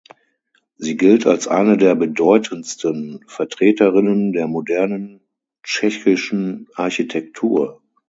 Sie gilt als eine der bedeutendsten Vertreterinnen der modernen tschechischen Architektur.